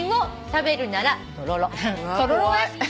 とろろね。